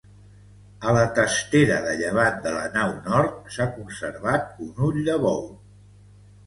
A la testera de llevant de la nau nord s'ha conservat un ull de bou.